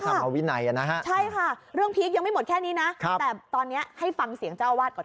ธรรมวินัยนะฮะใช่ค่ะเรื่องพีคยังไม่หมดแค่นี้นะแต่ตอนนี้ให้ฟังเสียงเจ้าอาวาสก่อน